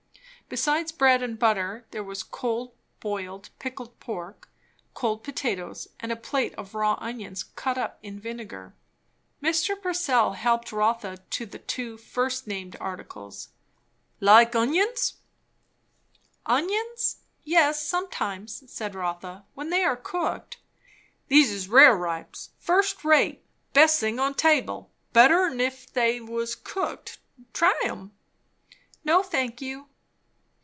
Besides bread and butter there was cold boiled pickled pork, cold potatoes, and a plate of raw onions cut up in vinegar. Mr. Purcell helped Rotha to the two first named articles. "Like inguns?" "Onions? Yes, sometimes," said Rotha, "when they are cooked." "These is rareripes. First rate best thing on table. Better 'n if they was cooked. Try 'em?" "No, thank you."